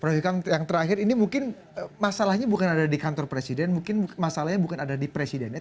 prof hikam yang terakhir ini mungkin masalahnya bukan ada di kantor presiden mungkin masalahnya bukan ada di presidennya